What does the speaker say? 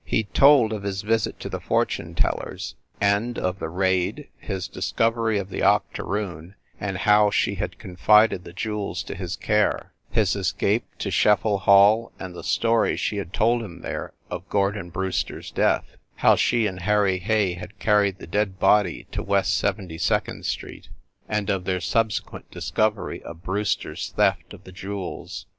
He told of his visit to the fortune teller s, and of the raid, his discovery of the octoroon and how she had confided the jewels to his care, his escape to Scheffel Hall, and the stoiy she had told him there, of Gordon Brewster s death, how she and Harry Hay had carried the dead body to West Seventy second Street, and of their subse quent discovery of Brewster s theft of the jewels.